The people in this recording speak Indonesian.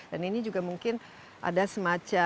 dan ini juga mungkin ada semangat